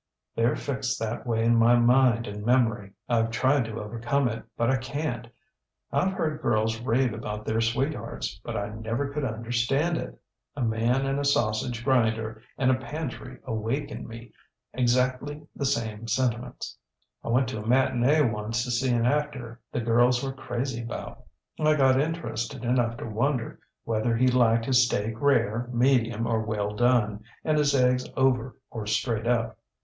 TheyŌĆÖre fixed that way in my mind and memory. IŌĆÖve tried to overcome it, but I canŌĆÖt. IŌĆÖve heard girls rave about their sweethearts, but I never could understand it. A man and a sausage grinder and a pantry awake in me exactly the same sentiments. I went to a matin├®e once to see an actor the girls were crazy about. I got interested enough to wonder whether he liked his steak rare, medium, or well done, and his eggs over or straight up.